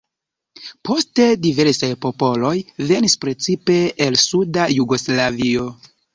Poste diversaj popoloj venis precipe el suda Jugoslavio.